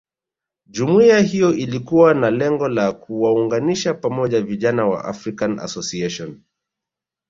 Jumuiya hiyo ilikuwa na lengo la kuwaunganisha pamoja vijana wa African Association